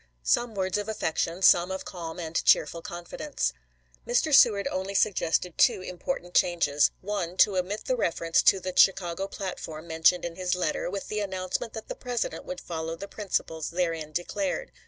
Some words of affection — some of calm and cheerful confidence.1 Mr. Seward only suggested two important changes: (1) To omit the reference to the Chi cago platform mentioned in his letter, with the announcement that the President would follow the principles therein declared.